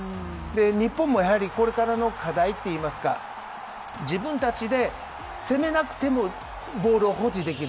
日本も、これからの課題というか自分たちで攻めなくてもボールを保持できる。